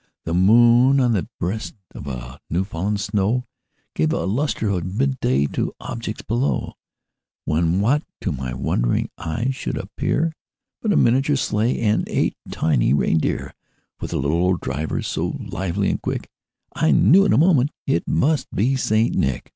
The moon, on the breast of the new fallen snow, Gave a lustre of mid day to objects below; When, what to my wondering eyes should appear, But a miniature sleigh, and eight tiny rein deer, With a little old driver, so lively and quick, I knew in a moment it must be St. Nick.